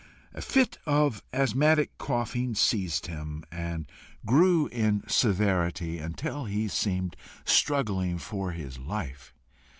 A fit of asthmatic coughing seized him, and grew in severity until he seemed struggling for his life.